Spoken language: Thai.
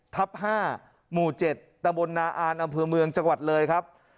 ทับ๕หมู่๗ตะบลนาอ่านอำเภอเมืองจังหวัดเลยครับ